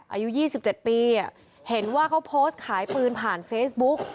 อายุ๒๗ปีเห็นว่าเขาโพสต์ขายปืนผ่านเฟซบุ๊ก